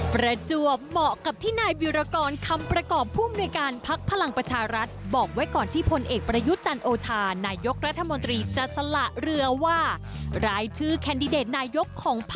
ประดั่วเหมาะกับที่นายวิรากรค